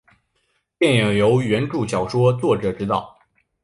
电影由原着小说作者执导。